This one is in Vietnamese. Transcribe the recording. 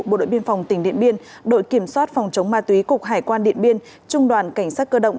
bộ đội biên phòng tỉnh điện biên đội kiểm soát phòng chống ma túy cục hải quan điện biên trung đoàn cảnh sát cơ động